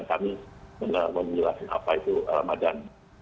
menanggung nilai apa itu ramadan